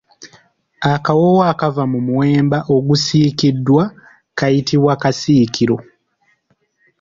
Akawoowo akava mu muwemba ogusiikiddwa kayitibwa kasiikiro.